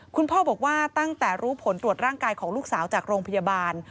คุณพ่อบอกว่าตั้งแต่รู้ผลตรวจร่างกายของลูกสาวจากโรงพยาบาล